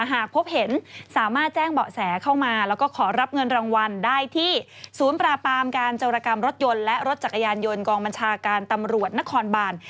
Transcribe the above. หากพบเห็นสามารถแจ้งเบาะแสเข้ามาแล้วก็ขอรับเงินรางวัลได้ที่ศูนย์ปราปามการจรกรรมรถยนต์และรถจักรยานยนต์กองบัญชาการตำรวจนครบาน